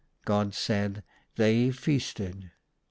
God said, " They feasted."